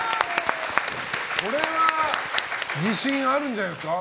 これは自信あるんじゃないですか。